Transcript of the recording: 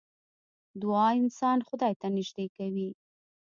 دعا انسان خدای ته نژدې کوي .